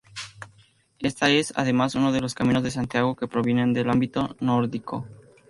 Esta es, además, uno de los Caminos de Santiago que provienen del ámbito nórdico.